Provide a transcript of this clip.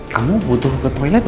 kamu butuh ke toilet